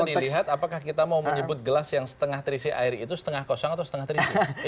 nah tinggal dilihat apakah kita mau menyebut gelas yang setengah trisi air itu setengah kosong atau setengah trisi